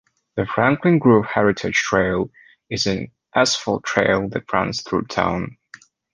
The Franklin Grove Heritage Trail is an asphalt trail that runs through town.